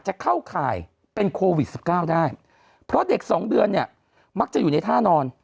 จะเข้าข่ายเป็นโควิด๑๙ได้เพราะเด็กสองเดือนเนี่ยมักจะอยู่ในท่านอน